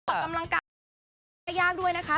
ออกกำลังกายก็ยากด้วยนะคะ